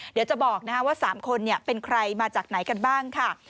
เดี๋ยวจะบอกว่า๓คนเป็นใครมาจากไหนกันบ้างค่ะ